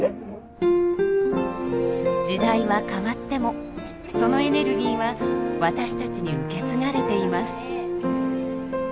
時代は変わってもそのエネルギーは私たちに受け継がれています。